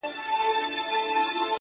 هغه ښايسته بنگړى په وينو ســـور دى’